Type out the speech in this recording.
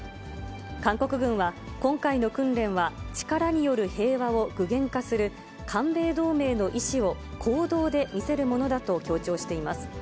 韓国軍は、今回の訓練は力による平和を具現化する、韓米同盟の意思を行動で見せるものだと強調しています。